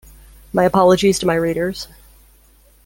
My apologies to my readers.